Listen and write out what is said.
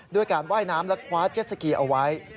ด้วยการว่ายน้ำและคว้าเจ็ดสกีเอาไว้